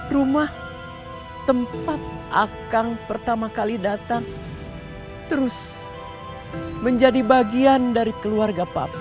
rumah tempat akang pertama kali datang terus menjadi bagian dari keluarga pub